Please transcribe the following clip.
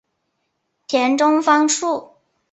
田中芳树。